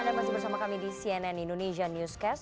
anda masih bersama kami di cnn indonesia newscast